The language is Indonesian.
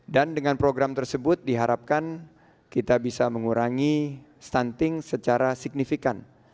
dan dengan program tersebut diharapkan kita bisa mengurangi stunting secara signifikan